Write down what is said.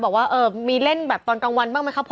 บอกว่ามีเล่นแบบตอนกลางวันบ้างไหมครับพ่อ